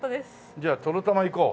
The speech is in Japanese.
じゃあとろたまいこう。